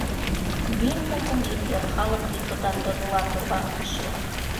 Минме һуң инде халыҡ депутаты була торған кеше